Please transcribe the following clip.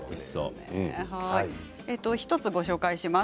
１つご紹介します。